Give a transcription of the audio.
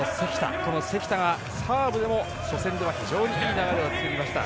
この関田はサーブでも初戦では非常にいい流れを作りました。